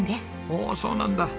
おおそうなんだ。